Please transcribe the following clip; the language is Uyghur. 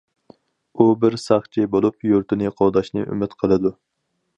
ئۇ بىر ساقچى بولۇپ يۇرتىنى قوغداشنى ئۈمىد قىلىدۇ.